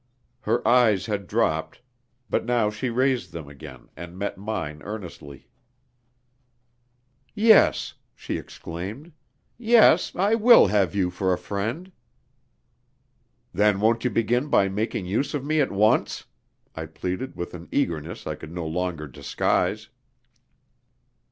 Her eyes had dropped, but now she raised them again and met mine earnestly. "Yes," she exclaimed "yes, I will have you for a friend." "Then won't you begin by making use of me at once?" I pleaded with an eagerness I could no longer disguise.